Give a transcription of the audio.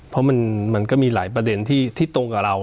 เพราะมันก็มีหลายประเด็นที่ตรงกับเรา